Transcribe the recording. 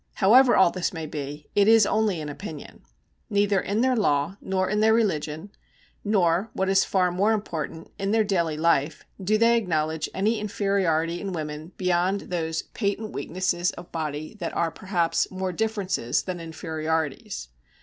However all this may be, it is only an opinion. Neither in their law, nor in their religion, nor what is far more important in their daily life, do they acknowledge any inferiority in women beyond those patent weaknesses of body that are, perhaps, more differences than inferiorities.